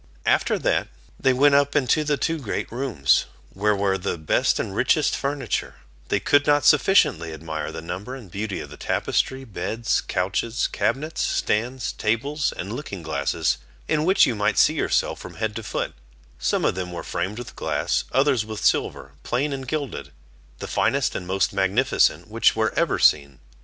After that, they went up into the two great rooms, where were the best and richest furniture; they could not sufficiently admire the number and beauty of the tapestry, beds, couches, cabinets, stands, tables, and looking glasses in which you might see yourself from head to foot; some of them were framed with glass, others with silver, plain and gilded, the finest and most magnificent which were ever seen.